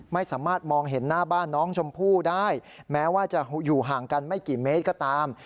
ไม่สามารถมองเห็นหน้าบ้านน้องชมพู่ได้แม้ว่าจะอยู่ห่างกันไม่กี่เมตรก็ตาม